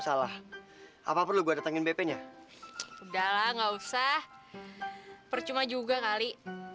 salah apa perlu gue detengin bp nya udah lah nggak usah percuma juga kali